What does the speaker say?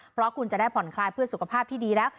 เพราะคุณจะได้ผ่อนคลายเพื่อสุขภาพที่ดีแล้ว